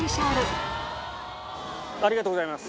ありがとうございます。